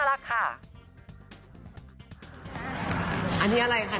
อันนี้อะไรคะเนี่ย